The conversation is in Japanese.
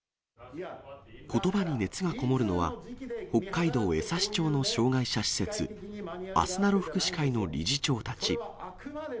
ことばに熱が籠もるのは北海道江差町の障がい者施設、あすなろ福祉会の理事長たち。